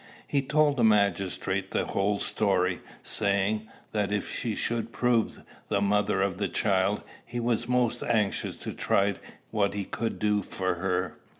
He told the magistrate the whole story, saying, that, if she should prove the mother of the child, he was most anxious to try what he could do for her.